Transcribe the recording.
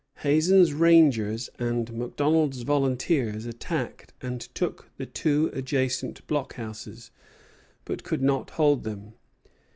Hazen's rangers and MacDonald's volunteers attacked and took the two adjacent blockhouses, but could not hold them.